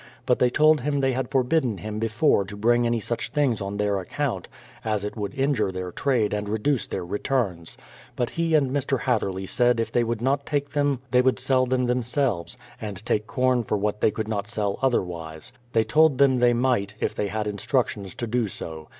But they told him they had forbidden him before to bring any such things on their account, as it would injure their trade and reduce their returns. But he and Mr. Hatherley said if they would not take them they would sell them themselves, and take corn for what they could not sell otherwise. They told them they might, if they had instructions to do so.